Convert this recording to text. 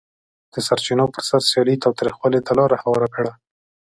د سرچینو پر سر سیالي تاوتریخوالي ته لار هواره کړه.